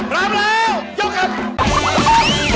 เหลือแล้วจัน